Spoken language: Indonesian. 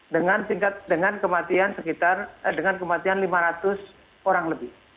dengan singkat dengan kematian sekitar lima ratus orang lebih